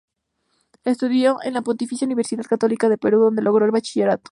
Estudió en la Pontificia Universidad Católica del Perú donde logró el bachillerato.